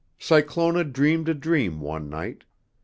Cyclona dreamed a dream one night.